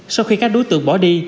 sau khi các đối tượng bỏ đi